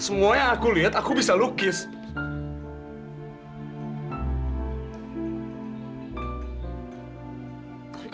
maafin aku anggrek